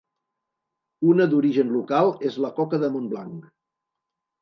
Una d'origen local és la coca de Montblanc.